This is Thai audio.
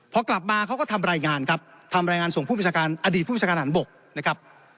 พอกลับมาเขาก็ทำรายงานครับทำรายงานส่งผู้พิจารณ์อดีตผู้พิจารณ์หันบกนะครับ